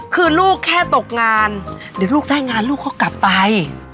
คือลูกแค่ตกงานเดี๋ยวลูกได้งานลูกก็กลับไป